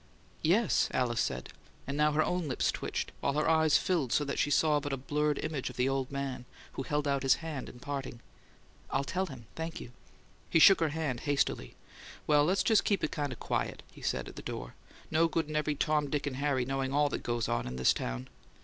"Yes," Alice said; and now her own lips twitched, while her eyes filled so that she saw but a blurred image of the old man, who held out his hand in parting. "I'll tell him. Thank you." He shook her hand hastily. "Well, let's just keep it kind of quiet," he said, at the door. "No good in every Tom, Dick and Harry knowing all what goes on in town!